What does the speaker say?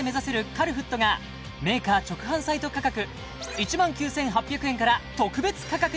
カルフットがメーカー直販サイト価格１万９８００円から特別価格に！